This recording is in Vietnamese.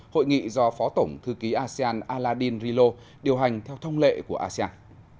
hội nghị do phó tổng thư ký asean aladin rilo điều hành theo thông lệ của asean